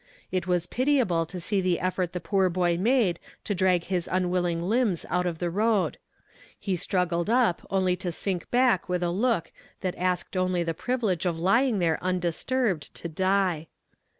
"It was pitiable to see the effort the poor boy made to drag his unwilling limbs out of the road. He struggled up only to sink back with a look that asked only the privilege of lying there undisturbed to die.